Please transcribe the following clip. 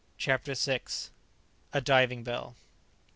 "] CHAPTER VI. A DIVING BELL.